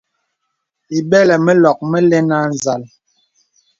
Ìbɛlə mə lɔ̀k mə alɛn â nzàl.